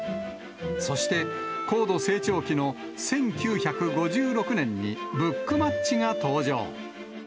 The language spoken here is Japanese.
そして、高度成長期の１９５６年にブックマッチが登場。